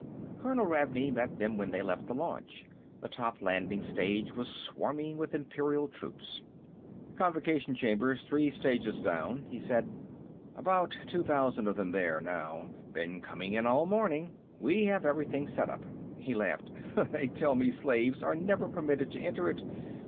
Colonel Ravney met them when they left the launch. The top landing stage was swarming with Imperial troops. "Convocation Chamber's three stages down," he said. "About two thousand of them there now; been coming in all morning. We have everything set up." He laughed. "They tell me slaves are never permitted to enter it.